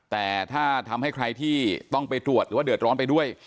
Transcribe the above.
แต่ถ้าทำให้ใครที่ต้องไปตรวจหรือว่าเดือดร้อนไปด้วย